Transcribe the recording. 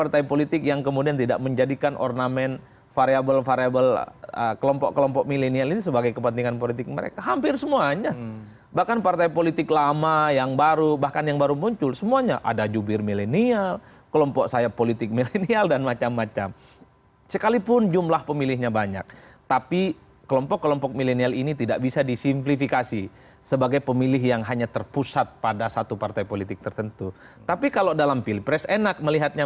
tapi yang lolos kesenayan sembilan sisanya tidak